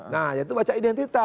nah yaitu baca identitas